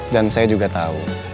dan saya juga tahu